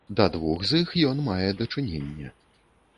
Да двух з іх ён мае дачыненне.